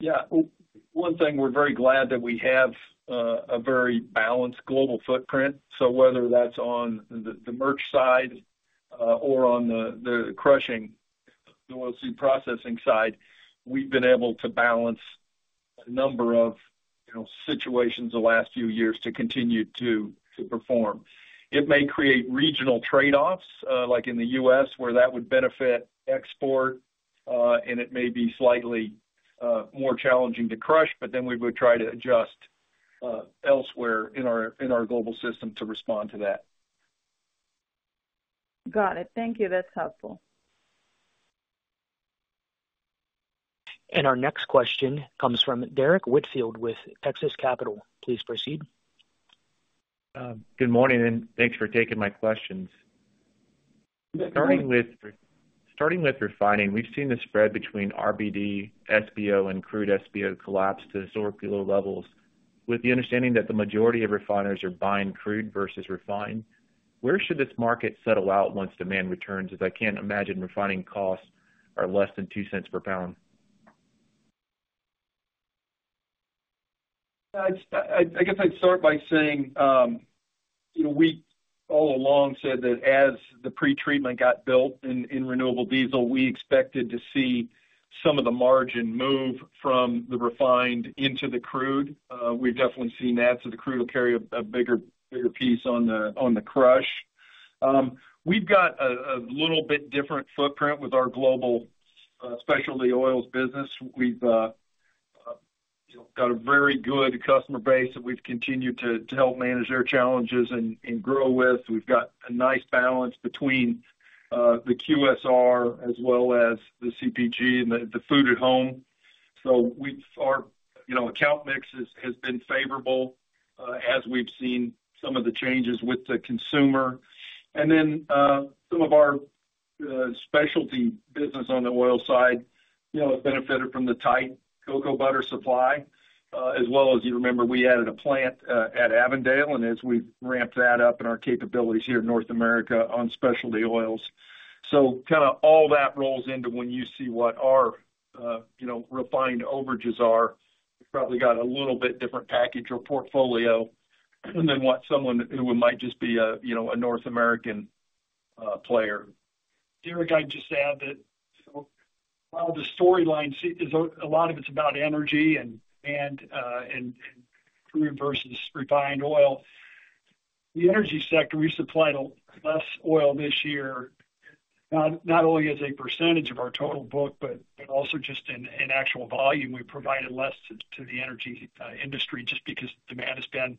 Yeah. One thing, we're very glad that we have a very balanced global footprint. So whether that's on the merch side or on the crushing, the oilseed processing side, we've been able to balance a number of situations the last few years to continue to perform. It may create regional trade-offs, like in the U.S., where that would benefit export, and it may be slightly more challenging to crush, but then we would try to adjust elsewhere in our global system to respond to that. Got it. Thank you. That's helpful. Our next question comes from Derek Whitfield with Texas Capital. Please proceed. Good morning, and thanks for taking my questions. Starting with refining, we've seen the spread between RBD SBO, and crude SBO collapse to historically low levels. With the understanding that the majority of refiners are buying crude versus refined, where should this market settle out once demand returns? As I can't imagine, refining costs are less than $0.02 per pound. I guess I'd start by saying we all along said that as the pretreatment got built in renewable diesel, we expected to see some of the margin move from the refined into the crude. We've definitely seen that. So the crude will carry a bigger piece on the crush. We've got a little bit different footprint with our global specialty oils business. We've got a very good customer base that we've continued to help manage their challenges and grow with. We've got a nice balance between the QSR as well as the CPG and the food at home. So our account mix has been favorable as we've seen some of the changes with the consumer. And then some of our specialty business on the oil side has benefited from the tight cocoa butter supply, as well as, you remember, we added a plant at Avondale. And as we've ramped that up in our capabilities here in North America on specialty oils. So kind of all that rolls into when you see what our refined margins are. We've probably got a little bit different package or portfolio than what someone who might just be a North American player. Derek, I'd just add that while the storyline is a lot of it's about energy and crude versus refined oil, the energy sector, we supplied less oil this year, not only as a percentage of our total book, but also just in actual volume. We provided less to the energy industry just because demand has been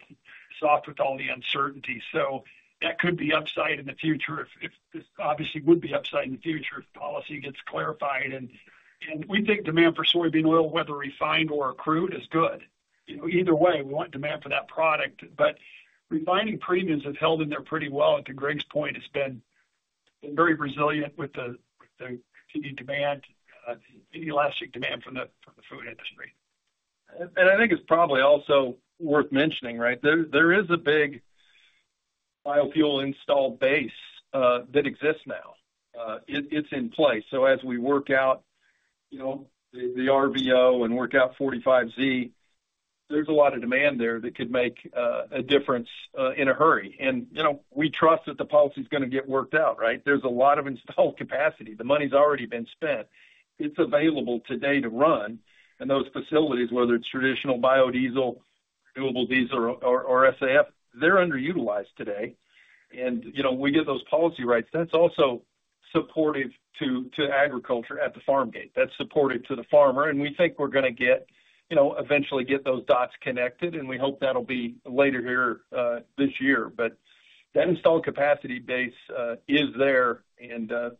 soft with all the uncertainty, so that could be upside in the future if policy gets clarified, and we think demand for soybean oil, whether refined or crude, is good. Either way, we want demand for that product, but refining premiums have held in there pretty well. To Greg's point, it's been very resilient with the continued demand, the elastic demand from the food industry. I think it's probably also worth mentioning, right? There is a big biofuel installed base that exists now. It's in place. As we work out the RVO and work out 45Z, there's a lot of demand there that could make a difference in a hurry. We trust that the policy is going to get worked out, right? There's a lot of installed capacity. The money's already been spent. It's available today to run. Those facilities, whether it's traditional biodiesel, renewable diesel, or SAF, they're underutilized today. We get those policies right. That's also supportive to agriculture at the farm gate. That's supportive to the farmer. We think we're going to eventually get those dots connected. We hope that'll be later here this year. That installed capacity base is there. As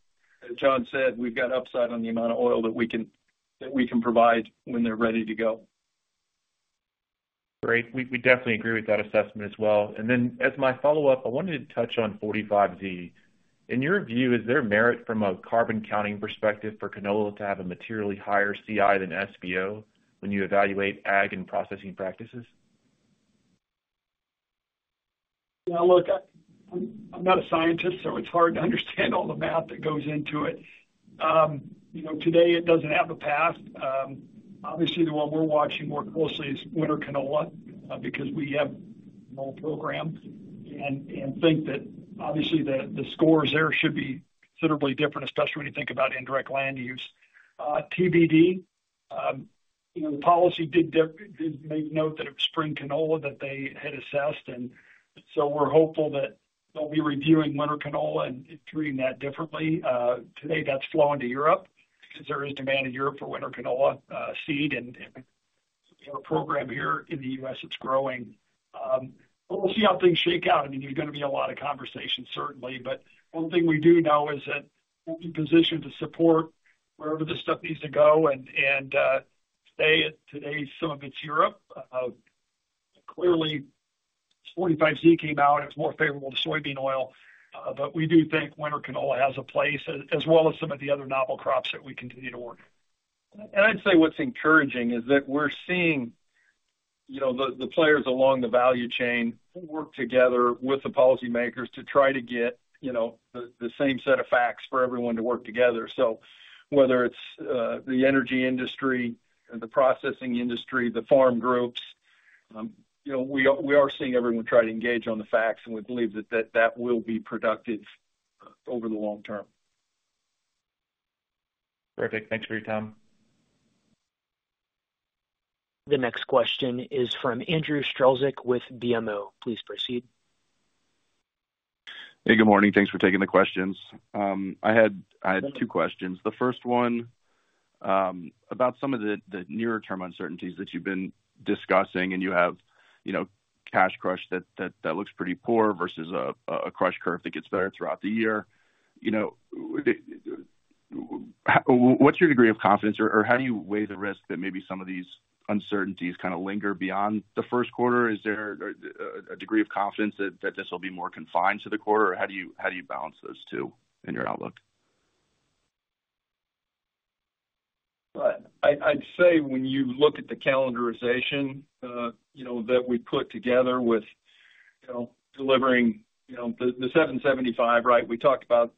John said, we've got upside on the amount of oil that we can provide when they're ready to go. Great. We definitely agree with that assessment as well. And then as my follow-up, I wanted to touch on 45Z. In your view, is there merit from a carbon-counting perspective for canola to have a materially higher CI than SBO when you evaluate ag and processing practices? Yeah. Look, I'm not a scientist, so it's hard to understand all the math that goes into it. Today, it doesn't have a path. Obviously, the one we're watching more closely is winter canola because we have a small program and think that obviously the scores there should be considerably different, especially when you think about indirect land use. TBD, the policy did make note that it was spring canola that they had assessed. And so we're hopeful that they'll be reviewing winter canola and treating that differently. Today, that's flown to Europe because there is demand in Europe for winter canola seed. And our program here in the U.S., it's growing. But we'll see how things shake out. I mean, there's going to be a lot of conversation, certainly. But one thing we do know is that we'll be positioned to support wherever this stuff needs to go, and, say, today some of it's Europe. Clearly, 45Z came out. It's more favorable to soybean oil. But we do think winter canola has a place as well as some of the other novel crops that we continue to work. And I'd say what's encouraging is that we're seeing the players along the value chain work together with the policymakers to try to get the same set of facts for everyone to work together. So whether it's the energy industry, the processing industry, the farm groups, we are seeing everyone try to engage on the facts. And we believe that that will be productive over the long term. Perfect. Thanks for your time. The next question is from Andrew Strelzik with BMO. Please proceed. Hey, good morning. Thanks for taking the questions. I had two questions. The first one about some of the near-term uncertainties that you've been discussing, and you have cash crush that looks pretty poor versus a crush curve that gets better throughout the year. What's your degree of confidence, or how do you weigh the risk that maybe some of these uncertainties kind of linger beyond the first quarter? Is there a degree of confidence that this will be more confined to the quarter, or how do you balance those two in your outlook? I'd say when you look at the calendarization that we put together with delivering the 775, right? We talked about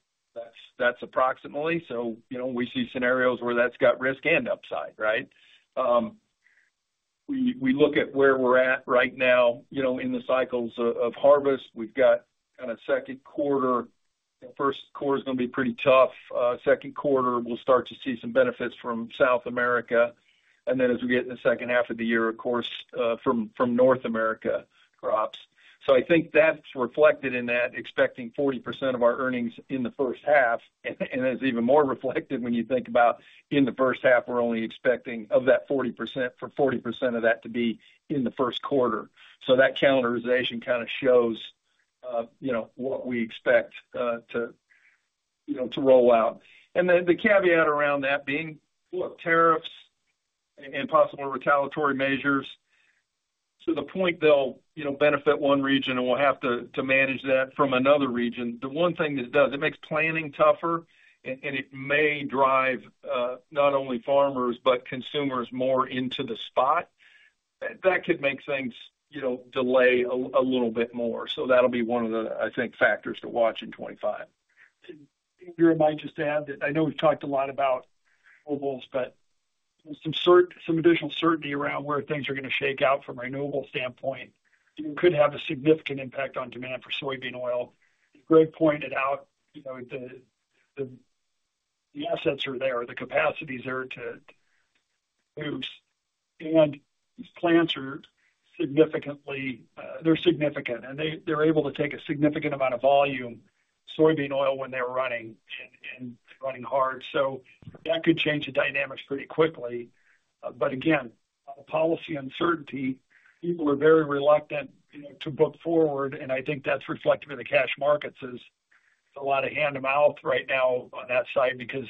that's approximately. So we see scenarios where that's got risk and upside, right? We look at where we're at right now in the cycles of harvest. We've got kind of second quarter. First quarter is going to be pretty tough. Second quarter, we'll start to see some benefits from South America. And then as we get in the second half of the year, of course, from North America crops. So I think that's reflected in that expecting 40% of our earnings in the first half. And it's even more reflected when you think about in the first half, we're only expecting of that 40% for 40% of that to be in the first quarter. So that calendarization kind of shows what we expect to roll out. And the caveat around that being, look, tariffs and possible retaliatory measures. To the point they'll benefit one region, and we'll have to manage that from another region. The one thing this does, it makes planning tougher, and it may drive not only farmers but consumers more into the spot. That could make things delay a little bit more. So that'll be one of the, I think, factors to watch in 2025. Andrew, I might just add that I know we've talked a lot about renewables, but some additional certainty around where things are going to shake out from a renewable standpoint could have a significant impact on demand for soybean oil. Greg pointed out the assets are there, the capacity is there to use. And these plants are significant, and they're able to take a significant amount of volume soybean oil when they're running and running hard. So that could change the dynamics pretty quickly. But again, policy uncertainty, people are very reluctant to book forward. And I think that's reflective of the cash markets. There's a lot of hand-to-mouth right now on that side because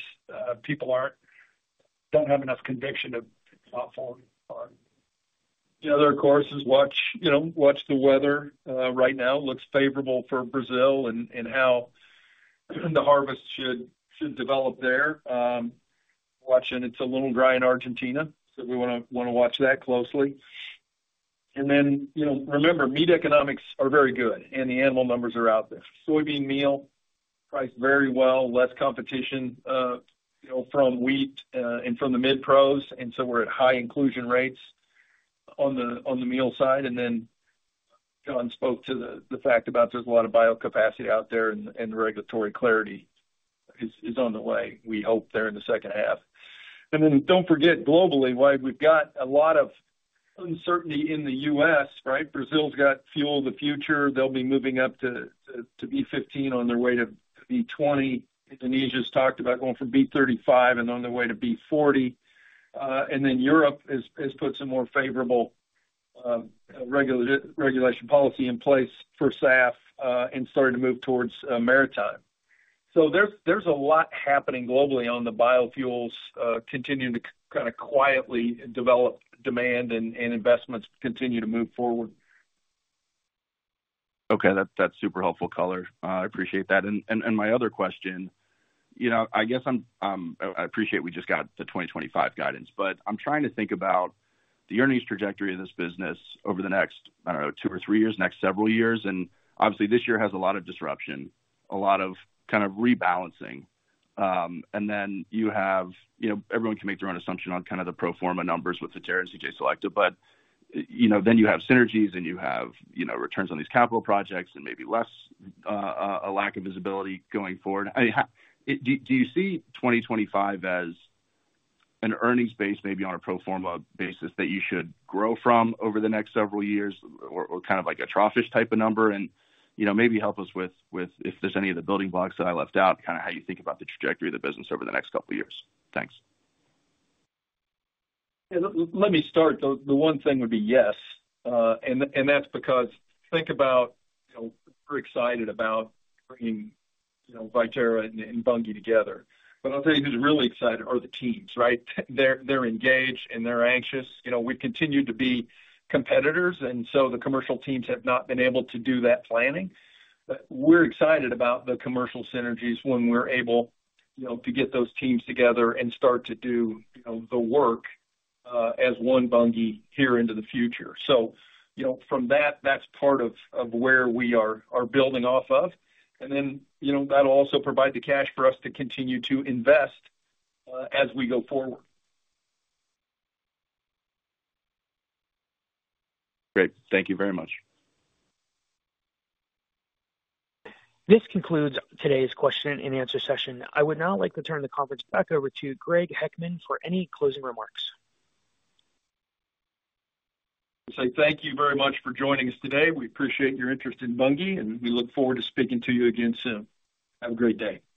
people don't have enough conviction to go out forward. The other, of course, is watch the weather. Right now, it looks favorable for Brazil and how the harvest should develop there. Watching, it's a little dry in Argentina, so we want to watch that closely. And then remember, meat economics are very good, and the animal numbers are out there. Soybean meal priced very well, less competition from wheat and from the mid-pros. And so we're at high inclusion rates on the meal side. And then John spoke to the fact about there's a lot of biocapacity out there, and regulatory clarity is on the way, we hope, there in the second half. And then don't forget globally, right? We've got a lot of uncertainty in the U.S., right? Brazil's got Fuel the Future. They'll be moving up to B15 on their way to B20. Indonesia's talked about going from B35 and on their way to B40. And then Europe has put some more favorable regulatory policy in place for SAF and started to move towards maritime. So there's a lot happening globally on the biofuels continuing to kind of quietly develop demand and investments continue to move forward. Okay. That's super helpful, Greg. I appreciate that. And my other question, I guess I appreciate we just got the 2025 guidance, but I'm trying to think about the earnings trajectory of this business over the next, I don't know, two or three years, next several years. And obviously, this year has a lot of disruption, a lot of kind of rebalancing. And then you have everyone can make their own assumption on kind of the pro forma numbers with the Viterra CJ Selecta. But then you have synergies, and you have returns on these capital projects and maybe less a lack of visibility going forward. Do you see 2025 as an earnings base, maybe on a pro forma basis that you should grow from over the next several years or kind of like a troughish type of number? Maybe help us with if there's any of the building blocks that I left out, kind of how you think about the trajectory of the business over the next couple of years. Thanks. Yeah. Let me start. The one thing would be yes. And that's because, think about, we're excited about bringing Viterra and Bunge together. But I'll tell you who's really excited are the teams, right? They're engaged, and they're anxious. We've continued to be competitors, and so the commercial teams have not been able to do that planning. But we're excited about the commercial synergies when we're able to get those teams together and start to do the work as one Bunge here into the future. So from that, that's part of where we are building off of. And then that'll also provide the cash for us to continue to invest as we go forward. Great. Thank you very much. This concludes today's question and answer session. I would now like to turn the conference back over to Greg Heckman for any closing remarks. I'd say thank you very much for joining us today. We appreciate your interest in Bunge, and we look forward to speaking to you again soon. Have a great day.